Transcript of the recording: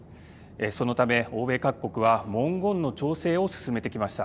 そのため欧米各国は文言の調整を進めてきました。